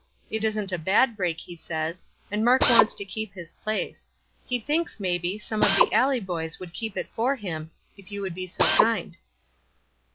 It isn't a bad break, he says, and Mark wants to keep his place. He thinks, maybe, some of the alley boys would keep it for him, if you would be so kind."